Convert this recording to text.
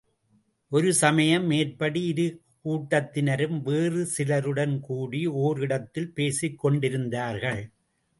ஒரு சமயம், மேற்படி இரு கூட்டத்தினரும், வேறு சிலருடன் கூடி ஓர் இடத்தில் பேசிக் கொண்டிருந்தார்கள்.